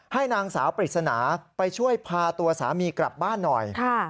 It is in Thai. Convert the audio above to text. ให้นางสาวปริศนาไปช่วยพาตัวสามีกลับบ้านหน่อย